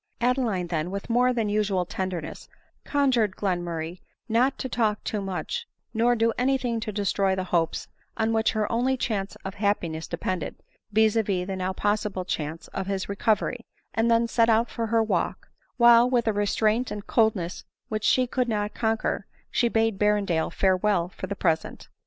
Adeline, then, with more than usual tenderness, con jured Glenmurray not to talk too much, nor do any thing to destroy the hopes on which her only chance of hap piness depended, viz. the now possible chance of his recovery, and then set out for her walk ; while, with a restraint and coldness which she could not conquer, she bade Berrendale farewell for the present.